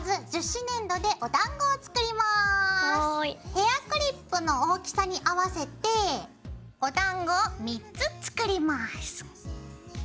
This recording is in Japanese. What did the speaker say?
ヘアクリップの大きさに合わせておだんごを３つ作ります。